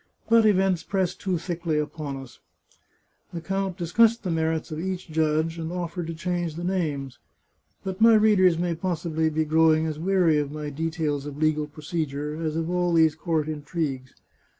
But events press too thickly upon us. The count discussed the merits of each judge, and offered to change the names. But my readers may possibly be growing as weary of my details of legal procedure as of all these court intrigues.